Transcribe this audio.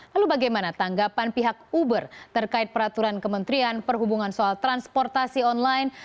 lalu bagaimana tanggapan pihak uber terkait peraturan kementerian perhubungan soal transportasi online